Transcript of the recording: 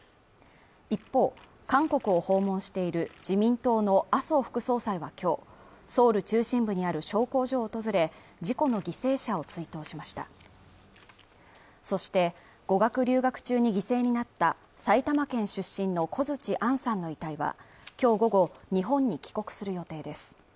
一方韓国を訪問している自民党の麻生副総裁はきょうソウル中心部にある焼香所を訪れ事故の犠牲者を追悼しましたそして語学留学中に犠牲になった埼玉県出身の小槌杏さんの遺体はきょう午後日本に帰国する予定です